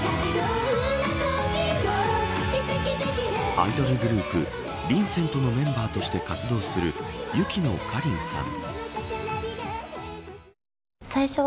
アイドルグループＲｉＮＣＥＮＴのメンバーとして活動する雪乃かりんさん。